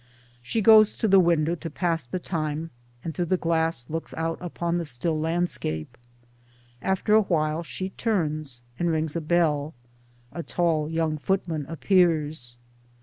She goes to the window to pass the time and through the glass looks out upon the still landscape; after a while she turns and rings a bell — a tall young footman appears.